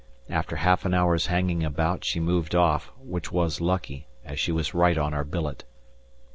After half an hour's hanging about she moved off, which was lucky, as she was right on our billet.